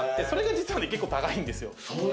それが実はね、結構高いんですよ。